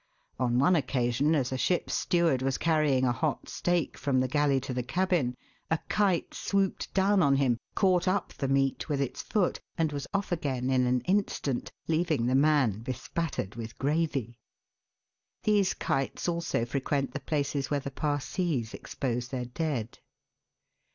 On one occasion, as a ship's steward was carrying a hot steak from the galley to the cabin, a kite swooped down on him, caught up the meat with its Toot, and was off again in an instant, leaving the man bespattered with gravy. These kites also frequent the places where the Parsees expose their dead.